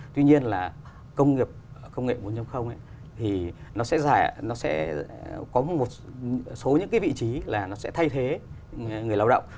tuy nhiên là công nghiệp bốn thì nó sẽ có một số những cái vị trí là nó sẽ thay thế người lao động